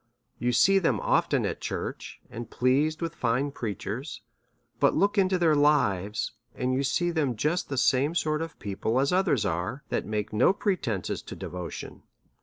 You see them often at church, and pleased with fine preachers ; but look into their lives, and you see them just the same sort of people as others are that make no pretences to devotion.